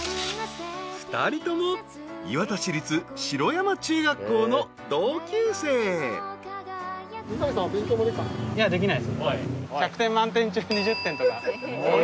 ［２人とも磐田市立城山中学校の同級生］おい。